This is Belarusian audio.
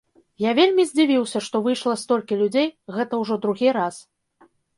Я вельмі здзівіўся, што выйшла столькі людзей, гэта ўжо другі раз.